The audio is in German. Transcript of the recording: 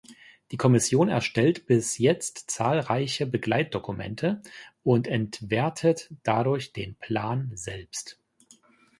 Die Kommission erstellt bis jetzt zahlreiche Begleitdokumente und entwertet dadurch den Plan selbst.